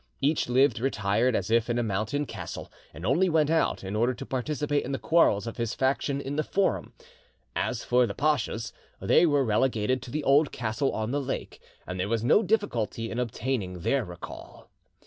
Each lived retired as if in a mountain castle, and only went out in order to participate in the quarrels of his faction in the forum. As for the pachas, they were relegated to the old castle on the lake, and there was no difficulty in obtaining their recall.